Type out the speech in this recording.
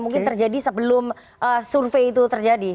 mungkin terjadi sebelum survei itu terjadi